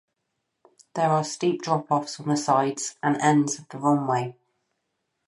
There are steep dropoffs on the sides and ends of the runway.